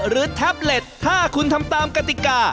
แท็บเล็ตถ้าคุณทำตามกติกา